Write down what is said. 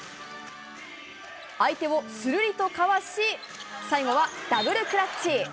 相手をするりとかわし、最後はダブルクラッチ。